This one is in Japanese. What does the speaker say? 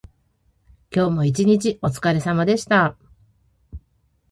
今日も一日おつかれさまでした。